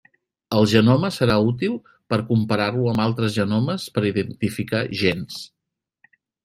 El genoma serà útil per comparar-lo amb altres genomes per identificar gens.